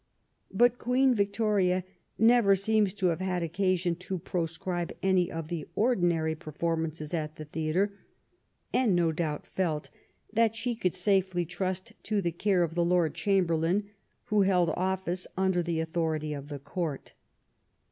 But Queen Victoria never seems to have had occasion to proscribe any of the ordinary performances at a theatre, and no doubt felt that she could safely trust to the care of the Lord Chamberlain, who held ofBce under the authority of the court.